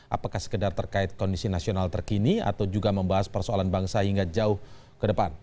apakah sekedar terkait kondisi nasional terkini atau juga membahas persoalan bangsa hingga jauh ke depan